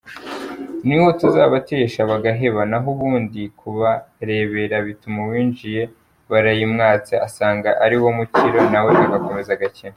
niho tuzabatesha bagaheba nahubundi kubarebera bituma uwinjiye barayimwatse asanga ariwo mukiro nawe agakomeza agakino.